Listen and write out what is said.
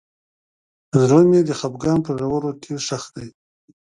زړه مې د خفګان په ژورو کې ښخ دی.